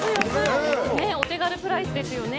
お手軽プライスですよね。